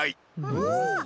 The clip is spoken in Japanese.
おお！